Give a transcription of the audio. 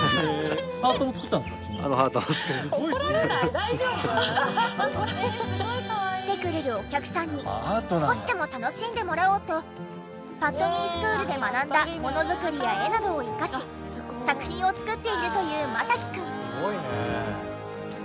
大丈夫？来てくれるお客さんに少しでも楽しんでもらおうとパットニースクールで学んだものづくりや絵などを生かし作品を作っているというマサキくん。